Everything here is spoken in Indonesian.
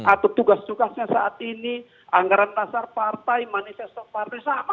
atau tugas tugasnya saat ini anggaran dasar partai manifestor partai sama